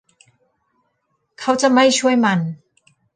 เขาจะไม่ช่วยมัน